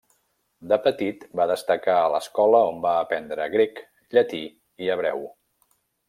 De petit, va destacar a l'escola on va aprendre grec, llatí i hebreu.